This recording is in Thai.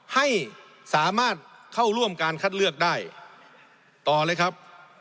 ให้สามารถเข้าร่วมการคัดเลือกได้ต่อเลยครับ